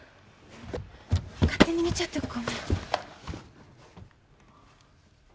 勝手に見ちゃってごめん。